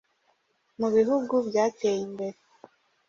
Mu bihugu byateye imbere,